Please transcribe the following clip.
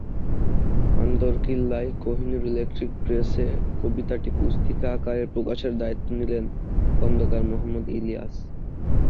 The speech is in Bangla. আন্দরকিল্লায় কোহিনূর ইলেকট্রিক প্রেসে কবিতাটি পুস্তিকা আকারে প্রকাশের দায়িত্ব নিলেন খোন্দকার মোহাম্মদ ইলিয়াস।